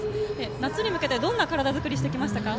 夏に向けてどんな体づくりしてきましたか？